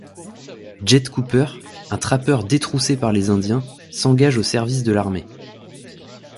Jed Cooper, un trappeur détroussé par les indiens, s'engage au service de l'armée.